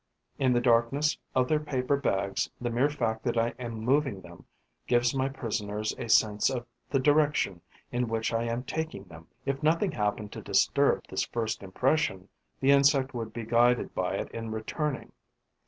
In the darkness of their paper bags, the mere fact that I am moving them gives my prisoners a sense of the direction in which I am taking them. If nothing happened to disturb this first impression, the insect would be guided by it in returning.